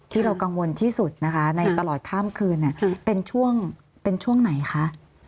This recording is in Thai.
ที่เรากังวลที่สุดนะคะในตลอดข้ามคืนเป็นช่วงเป็นช่วงไหนคะ